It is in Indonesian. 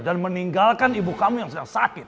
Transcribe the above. dan meninggalkan ibukamu yang sedang sakit